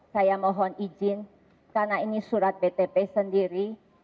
saya mohon izin karena ini surat btp sendiri